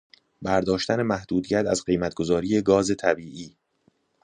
برداشتن محدودیت از قیمت گذاری گاز طبیعی